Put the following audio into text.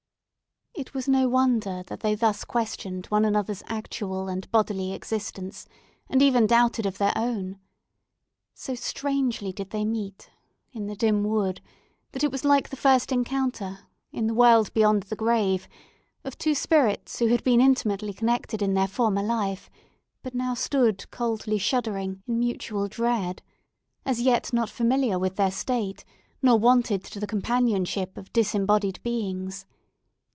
It was no wonder that they thus questioned one another's actual and bodily existence, and even doubted of their own. So strangely did they meet in the dim wood that it was like the first encounter in the world beyond the grave of two spirits who had been intimately connected in their former life, but now stood coldly shuddering in mutual dread, as not yet familiar with their state, nor wonted to the companionship of disembodied beings.